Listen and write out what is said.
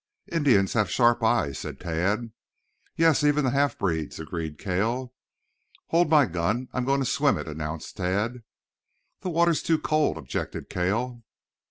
"Indians have sharp eyes," said Tad. "Yes, even the half breeds," agreed Cale. "Hold my gun. I'm going to swim it," announced Tad. "The water is too cold," objected Cale.